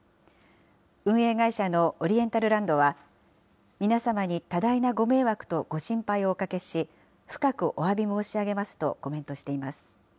運営会社のオリエンタルランドは、皆様に多大なご迷惑とご心配をおかけし、深くおわび申し上げますとコメントしています。